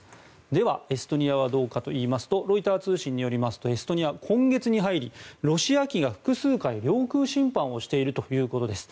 では、エストニアはどうかといいますとロイター通信によりますとエストニアは今月に入りロシア機が複数回領空侵犯をしているということです。